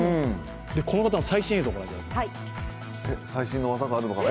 この方の最新映像をご覧いただきます。